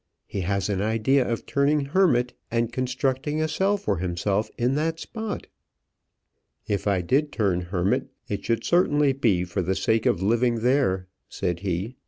He has an idea of turning hermit, and constructing a cell for himself in that spot." "If I did turn hermit, it should certainly be for the sake of living there," said he.